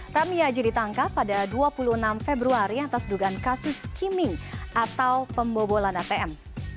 ramiyaji ditangkap pada dua puluh enam februari atas dugaan kasus skimming atau pembobolan atm